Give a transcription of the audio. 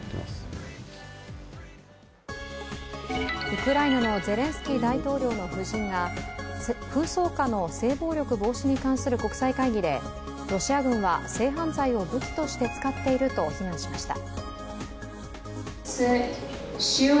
ウクライナのゼレンスキー大統領の夫人が紛争下の性暴力防止に関する国際会議でロシア軍は性犯罪を武器として使っていると非難しました。